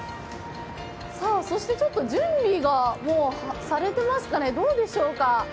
そして準備がもうされてますかね、どうでしょうか。